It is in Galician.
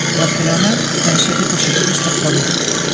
O Barcelona ten sete positivos por Covid.